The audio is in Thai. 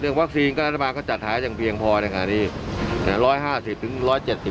เรื่องวัคซีนก็นัฐบาลก็จัดหายจังเพียงพอแน่นอนค่ะนี่